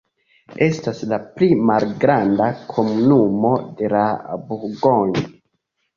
Estas la pli malgranda komunumo de la Burgonjo.